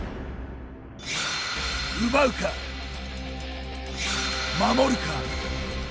奪うか、守るか。